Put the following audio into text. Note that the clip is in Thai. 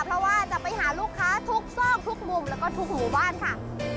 เพราะว่าจะไปหาลูกค้าทุกซอกทุกมุมแล้วก็ทุกหมู่บ้านค่ะ